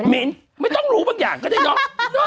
มิ้นไม่ต้องรู้บางอย่างก็จะยอม